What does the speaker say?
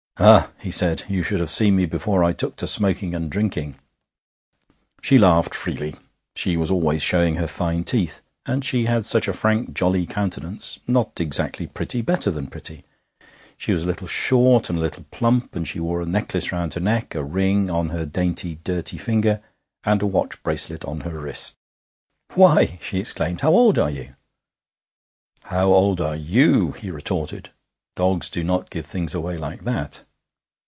'Ah!' he said, 'you should have seen me before I took to smoking and drinking!' She laughed freely. She was always showing her fine teeth. And she had such a frank, jolly countenance, not exactly pretty better than pretty. She was a little short and a little plump, and she wore a necklace round her neck, a ring on her dainty, dirty finger, and a watch bracelet on her wrist. 'Why!' she exclaimed. 'How old are you?' 'How old are you?' he retorted. Dogs do not give things away like that.